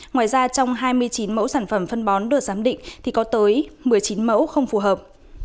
ngoài ra trong hai mươi chín mẫu sản phẩm phân bón được giám định thì có tới một mươi chín mẫu không phù hợp